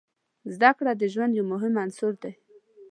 زده کړه د ژوند یو مهم عنصر دی.